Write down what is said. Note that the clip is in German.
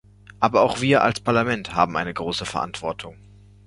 Aber auch wir als Parlament haben eine große Verantwortung.